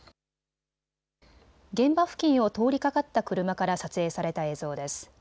現場付近を通りかかった車から撮影された映像です。